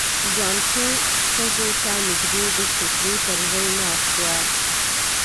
جانکو ښځو ته نږدې د چوترې پر ژی ناست و.